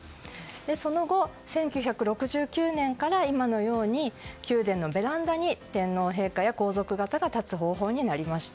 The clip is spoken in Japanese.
その後、１９６９年から今のように宮殿のベランダに天皇陛下や皇族方が立つ方法になりました。